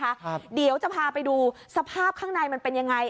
ครับเดี๋ยวจะพาไปดูสภาพข้างในมันเป็นยังไง